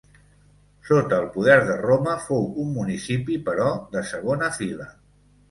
Sota el poder de Roma fou un municipi però de segona fila.